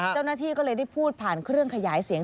เจ้าหน้าที่ก็เลยได้พูดผ่านเครื่องขยายเสียง